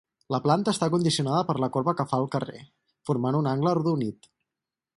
La planta està condicionada per la corba que fa al carrer, formant un angle arrodonit.